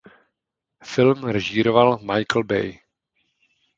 Film režíroval Michael Bay.